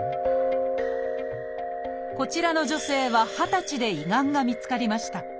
こちらの女性は二十歳で胃がんが見つかりました。